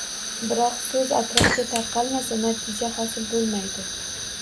Biroq, so‘z atrofga tarqalmasa, natija hosil bo‘lmaydi.